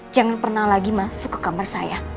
jangan pernah lagi masuk ke kamar saya